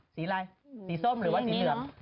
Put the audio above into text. สีอะไรสีส้มหรือว่าสีเหลือง